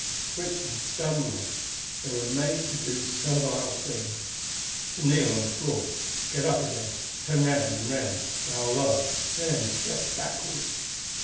Twitching, stumbling, they were made to do servile things to kneel on the floor; get up again; turn round and round; bow low, then stretch backwards.